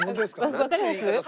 わかります？